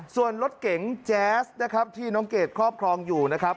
ส่วนรถเก๋งแจ๊สนะครับที่น้องเกดครอบครองอยู่นะครับ